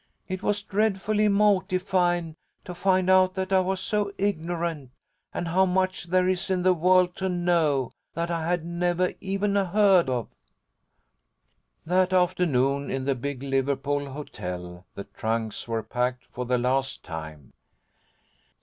It was dreadfully mawtifyin' to find out that I was so ignorant, and how much there is in the world to know, that I had nevah even heard of." That afternoon, in the big Liverpool hotel, the trunks were packed for the last time.